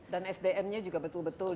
dan sdm nya juga betul betul dipilih